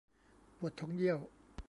ปวดท้องเยี่ยว